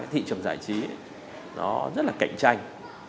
thị trường giải trí nó rất là cạnh tranh